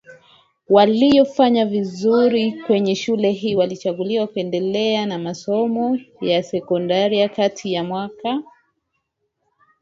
waliofanya vizuri kwenye shule hii alichaguliwa kuendelea na masomo ya sekondariKati ya mwaka